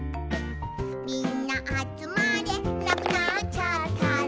みんなあつまれ」「なくなっちゃったら」